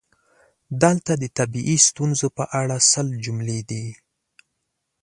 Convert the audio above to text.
دلته د طبیعي ستونزو په اړه سل جملې دي: